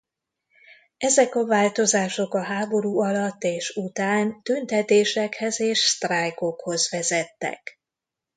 Ezek a változások a háború alatt és után tüntetésekhez és sztrájkokhoz vezettek.